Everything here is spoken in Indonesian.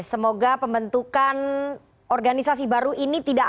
semoga pembentukan organisasi banyak